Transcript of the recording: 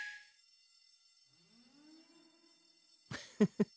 フフッ。